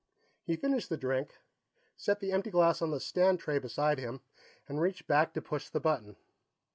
He finished the drink, set the empty glass on the stand tray beside him, and reached back to push the button.